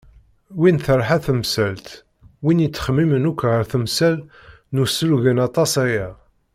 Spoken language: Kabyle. Win terḥa temsalt, win yettxemmimen akk ɣer temsal n uslugen aṭas aya.